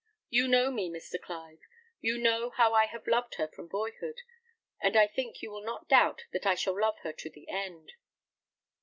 You know me, Mr. Clive; you know how I have loved her from boyhood; and I think you will not doubt that I shall love her to the end."